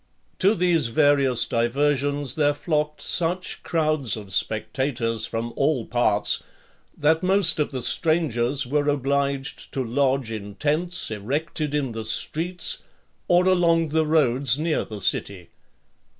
To these various diversions there flocked such crowds of spectators from all parts, that most of the strangers were obliged to lodge in tents erected in the streets, or along the roads near the city.